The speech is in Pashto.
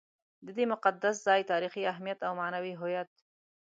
د دې مقدس ځای تاریخي اهمیت او معنوي هویت.